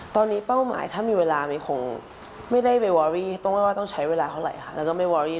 ตอนนี้เป้าหมายถ้ามีเวลามังไม่ว่าต้องเวลาเท่าไหร่